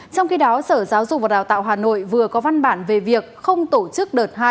trong khi đó sở giáo dục và đào tạo hà nội vừa có văn bản về việc không tổ chức đợt hai